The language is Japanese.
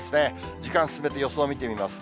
時間進めて予想を見てみます。